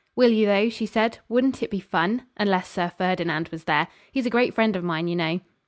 'Will you, though?' she said. 'Wouldn't it be fun? Unless Sir Ferdinand was there. He's a great friend of mine, you know.'